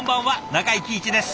中井貴一です。